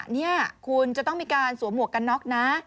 นี่คุณจะต้องมีการสวมหมวกกันน็อกนะ